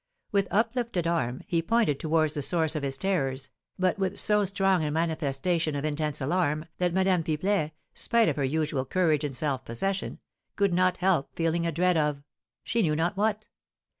With uplifted arm he pointed towards the source of his terrors, but with so strong a manifestation of intense alarm that Madame Pipelet, spite of her usual courage and self possession, could not help feeling a dread of she knew not what.